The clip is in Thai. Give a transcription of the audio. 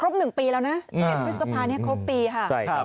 เป็นปีแล้วเนอะเกมพฤษภาพนี้ครบปีค่ะ